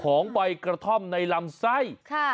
ของไปกระท่อมในลำไส้